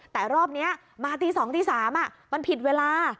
แต่รอบนี้มาตี๒ตี๓มันผิดเวลา